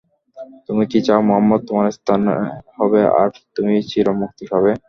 তুমি কি চাও, মুহাম্মদ তোমার স্থানে হবে আর তুমি চির মুক্তি পাবে?